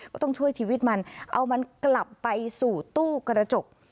ก็ต้องช่วยชีวิตมันเอามันกลับไปสู่ตู้กระจก